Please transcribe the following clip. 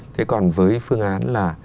thế còn với phương án là